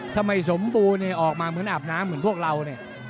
ถ้าไม่สมบูรณ์ออกมาเหมือนอาบน้ำเหมือนพวกเราเนี่ย